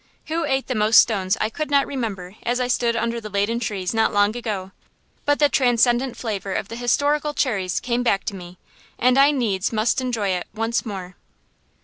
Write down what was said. Who ate the most stones I could not remember as I stood under the laden trees not long ago, but the transcendent flavor of the historical cherries came back to me, and I needs must enjoy it once more.